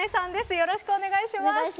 よろしくお願いします。